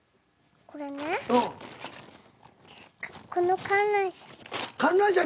これねこの観覧車。